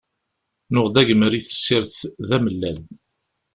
Nuɣ-d agmer i tessirt d amellal.